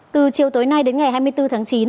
từ chiều tối nay đến ngày hai mươi bốn tháng chín